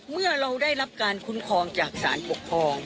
เมื่อเราได้รับการคุ้มครองจากสารปกครอง